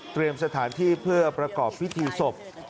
สถานที่เพื่อประกอบพิธีศพ